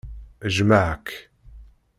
Jjmeɣ-k.